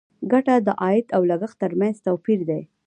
ګټه د عاید او لګښت تر منځ توپیر دی.